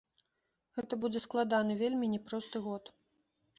Гэта будзе складаны, вельмі няпросты год.